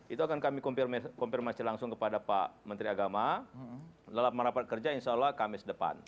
itu akan kami konfirmasi langsung kepada pak menteri agama dalam merapat kerja insya allah kamis depan